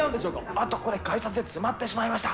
あっとこれ、改札で詰まってしまいました。